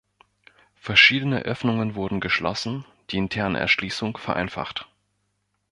Verschiedene Öffnungen wurden geschlossen, die interne Erschließung vereinfacht.